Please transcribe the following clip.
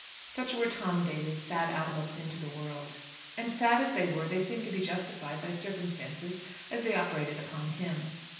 Such were Tom Daly's sad outlooks into the world. And sad as they were, they seemed to be justified by circumstances as they operated upon him.